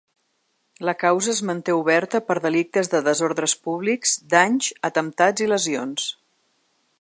La causa es manté oberta per delictes de desordres públics, danys, atemptats i lesions.